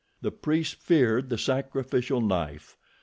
The priests feared the sacrificial knife!